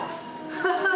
ハハハハ。